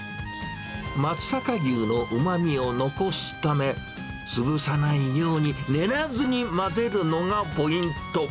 松阪牛のうまみを残すため、潰さないように、練らずに混ぜるのがポイント。